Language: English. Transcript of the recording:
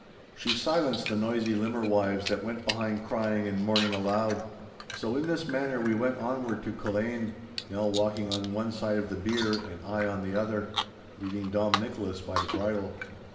She silenced the noisy limmer wives that went behind crying and mourning aloud. So in this manner we went onward to Culzean, Nell walking on one side of the bier and I on the other, leading Dom Nicholas by the bridle.